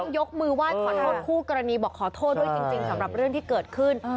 ยกมือไหว้ขอโทษคู่กรณีบอกขอโทษด้วยจริงสำหรับเรื่องที่เกิดขึ้น